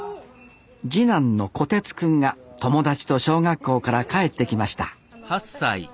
次男の胡徹くんが友達と小学校から帰ってきました